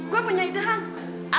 gua punya idehan